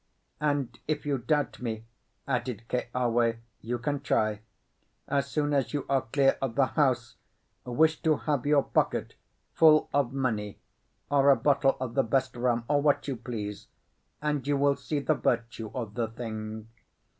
"And if you doubt me," added Keawe, "you can try. As soon as you are clear of the house, wish to have your pocket full of money, or a bottle of the best rum, or what you please, and you will see the virtue of the thing."